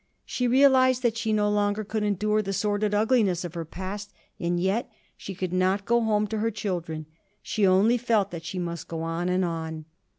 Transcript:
She realized that she no longer could endure the sordid ugliness of her past, and yet she could not go home to her children. She only felt that she must go on and on.